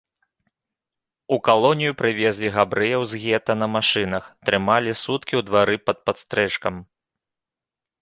У калонію прывезлі габрэяў з гета на машынах, трымалі суткі ў двары пад падстрэшкам.